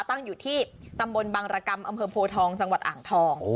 ตั้งอยู่ที่ตำบลบังรกรรมอำเภอโพทองจังหวัดอ่างทอง